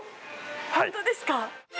本当ですか？